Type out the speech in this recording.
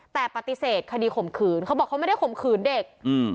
แต่ปฏิเสธคดีข่มขืนเขาบอกเขาไม่ได้ข่มขืนเด็ก